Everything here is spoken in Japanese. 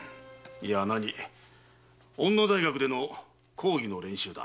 女大学での講義の練習だ。